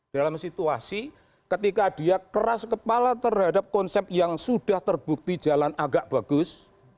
dalam situasi ketika dia keras kepala terhadap konsep yang sudah terbukti jalan agak bagus